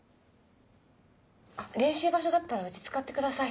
あっ練習場所だったらうち使ってください。